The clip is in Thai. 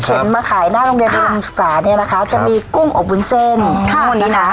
เข็นมาขายหน้าโรงเรียนรุมศาเนี้ยนะคะจะมีกุ้งอบวุ้นเส้นครับหมดนี้นะ